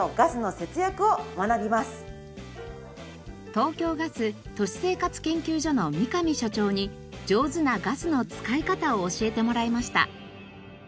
東京ガス都市生活研究所の三神所長に上手なガスの使い方を教えてもらいました。